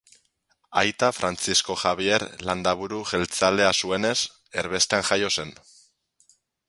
Aita Frantzisko Jabier Landaburu jeltzalea zuenez, erbestean jaio zen.